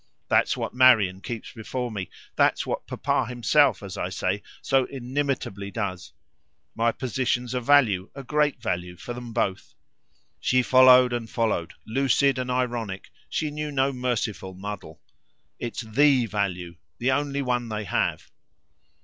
That's what Marian keeps before me; that's what papa himself, as I say, so inimitably does. My position's a value, a great value, for them both" she followed and followed. Lucid and ironic, she knew no merciful muddle. "It's THE value the only one they have."